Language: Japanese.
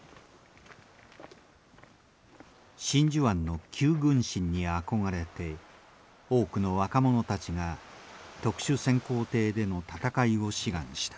真珠湾の九軍神にあこがれて多くの若者たちが特殊潜航艇での戦いを志願した。